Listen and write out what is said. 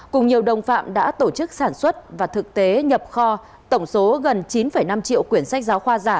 cùng nhiều đồng phạm đã tổ chức sản xuất và thực tế nhập kho tổng số gần chín năm triệu quyển sách giáo khoa giả